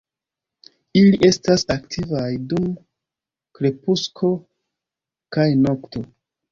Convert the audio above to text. Ili estas aktivaj dum krepusko kaj nokto.